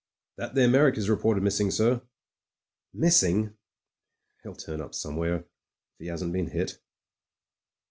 "That there Meyrick is reported missing, sir." "Missing! He'll turn up somewhere — if he hasn't been hit."